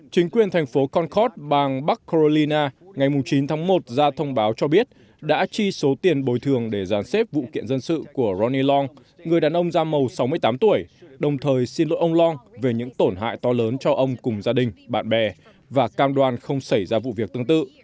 chính quyền thành phố conkot bang bar colina ngày chín tháng một ra thông báo cho biết đã chi số tiền bồi thường để giàn xếp vụ kiện dân sự của ronilong người đàn ông da màu sáu mươi tám tuổi đồng thời xin lỗi ông long về những tổn hại to lớn cho ông cùng gia đình bạn bè và cam đoan không xảy ra vụ việc tương tự